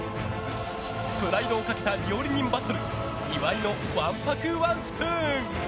プライドをかけた料理人バトル岩井のわんぱくワンスプーン！